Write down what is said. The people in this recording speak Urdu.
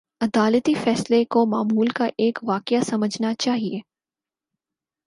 عدالتی فیصلے کو معمول کا ایک واقعہ سمجھنا چاہیے۔